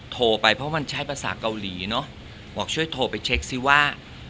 โทรไปเพราะมันใช้ภาษาเกาหลีเนอะบอกช่วยโทรไปเช็คซิว่า